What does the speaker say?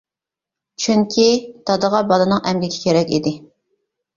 چۈنكى دادىغا بالىنىڭ ئەمگىكى كېرەك ئىدى.